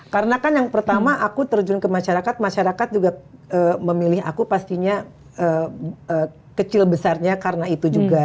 karena kan yang pertama aku terjun ke masyarakat masyarakat juga memilih aku pastinya kecil besarnya karena itu juga